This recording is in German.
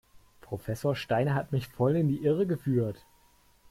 Professor Steiner hat mich voll in die Irre geführt.